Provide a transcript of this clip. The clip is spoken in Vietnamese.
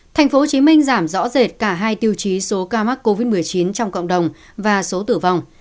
tp hcm giảm rõ rệt cả hai tiêu chí số ca mắc covid một mươi chín trong cộng đồng và số tử vong